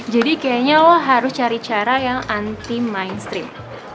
jadi kayaknya lo harus cari cara yang anti mainstream